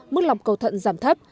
mức lọc cầu thận giảm thấp